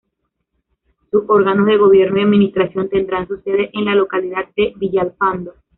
Sus órganos de gobierno y administración tendrán su sede en la localidad de Villalpando.